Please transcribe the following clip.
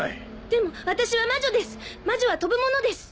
でも私は魔女です魔女は飛ぶものです。